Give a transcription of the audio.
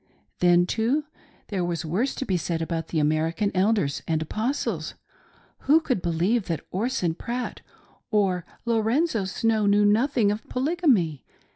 Then, too, there was worse to be said about the American Elders and Apos tles. Who could believe that Orson Pratt or Lorenzo Snow knew nothing of Polygamy